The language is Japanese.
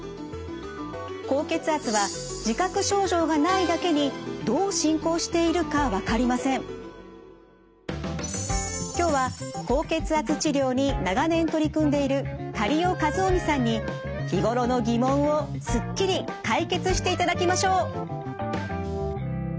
高血圧は自覚症状がないだけに今日は高血圧治療に長年取り組んでいる苅尾七臣さんに日頃の疑問をすっきり解決していただきましょう。